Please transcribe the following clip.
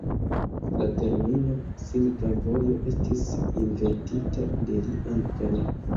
La termino "Silka Vojo" estis inventita de li ankaŭ.